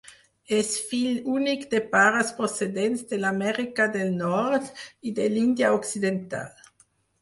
És fill únic de pares procedents de l'Amèrica del Nord i de l'Índia Occidental.